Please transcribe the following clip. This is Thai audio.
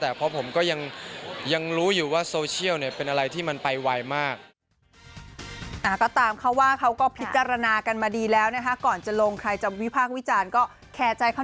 แต่ผมก็ยังรู้อยู่ว่าโซเชียลเป็นอะไรที่มันไปไวมาก